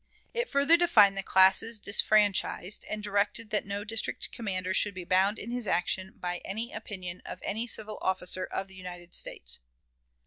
It further defined the classes disfranchised, and directed that no district commander should be bound in his action by any opinion of any civil officer of the United States.